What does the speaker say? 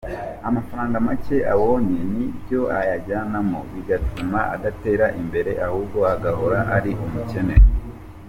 Amafaranga makeya abonye ni byo ayajyanamo, bigatuma adatera imbere ahubwo agahora ari umukene.